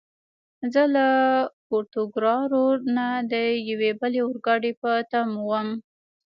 زه له پورتوګرارو نه د یوې بلې اورګاډي په تمه ووم.